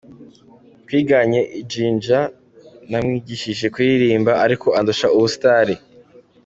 Twiganye i Jinja namwigishije kuririmba ariko andusha ubustar.